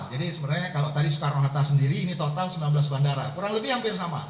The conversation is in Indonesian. jadi sebenarnya kalau tadi soekarno hatta sendiri ini total sembilan belas bandara kurang lebih hampir sama